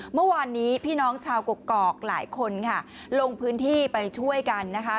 เมื่อวานนี้พี่น้องชาวกกอกหลายคนค่ะลงพื้นที่ไปช่วยกันนะคะ